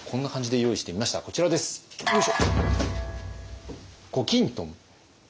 よいしょ！